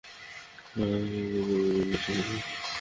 কাউকে বলবে না, ঠিকাছে?